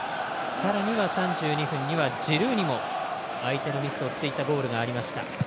さらには３２分にはジルーにも相手のミスをついたゴールがありました。